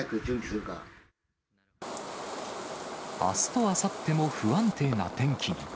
あすとあさっても不安定な天気に。